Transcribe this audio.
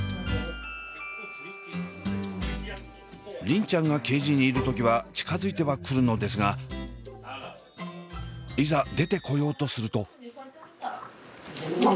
梨鈴ちゃんがケージにいる時は近づいては来るのですがいざ出てこようとすると。